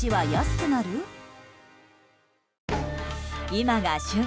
今が旬！